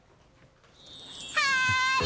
はい！